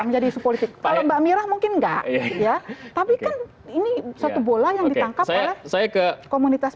menjadi politik pak mirah mungkin enggak ya tapi ini satu bola yang ditangkap saya ke komunitas